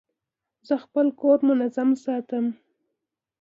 زه خپل کور منظم ساتم.